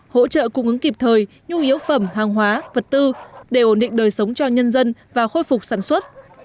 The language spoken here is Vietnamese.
hỗ trợ cung ứng kịp thời nhu yếu phẩm hàng hóa vật tư để ổn định đời sống cho nhân dân và khôi phục sản xuất